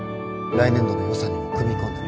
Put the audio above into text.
来年度の予算にも組み込んで。